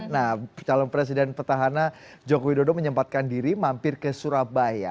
nah calon presiden petahana joko widodo menyempatkan diri mampir ke surabaya